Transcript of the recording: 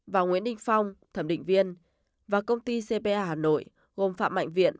và nguyễn đình phong thẩm định viên và công ty cpa hà nội gồm phạm mạnh viện